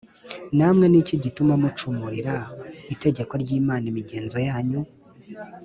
“namwe ni iki gituma mucumurira itegeko ry’imana imigenzo yanyu?